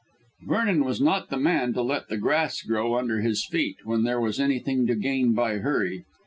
Vernon was not the man to let the grass grow under his feet when there was anything to gain by hurry.